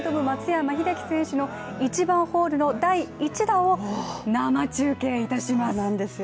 松山英樹選手の１番ホールの第１打を生中継いたします。